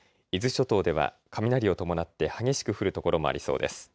伊豆諸島では雷を伴って激しく降る所もありそうです。